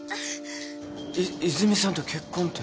い泉さんと結婚って。